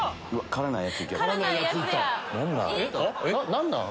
何なん？